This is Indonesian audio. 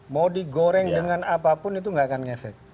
mau digoreng dengan apapun itu nggak akan ngefek